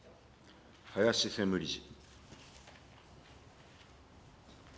林専務理事。